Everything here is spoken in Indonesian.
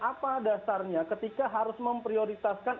apa dasarnya ketika harus memprioritaskan